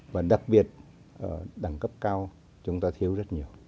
và đặc biệt đẳng cấp cao chúng ta thiếu rất nhiều